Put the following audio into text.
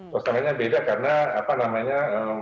suasananya beda karena apa namanya